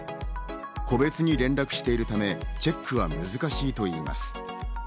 個別に連絡しているためチェックは難しいといいます。